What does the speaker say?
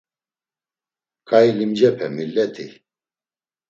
Ǩai limcepe milleti.